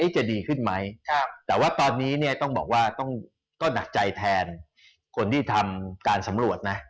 จะดีขึ้นไหมแต่ว่าตอนนี้เนี่ยต้องบอกว่าต้องก็หนักใจแทนคนที่ทำการสำรวจนะ